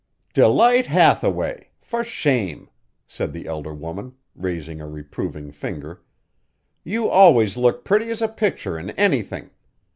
"Delight Hathaway! For shame!" said the elder woman, raising a reproving finger. "You always look pretty as a picture in anything.